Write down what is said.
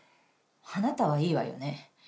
あなたはいいわよね。